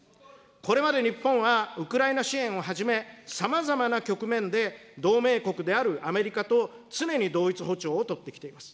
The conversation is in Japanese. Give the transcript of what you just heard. これまで日本は、ウクライナ支援をはじめ、さまざまな局面で同盟国であるアメリカと常に同一歩調を取ってきています。